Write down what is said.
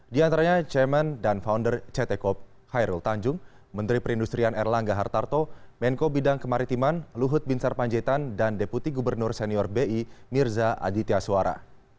di antaranya chairman dan founder ct cop hairul tanjung menteri perindustrian erlangga hartarto menko bidang kemaritiman luhut bin sarpanjaitan dan deputi gubernur senior bi mirza aditya suara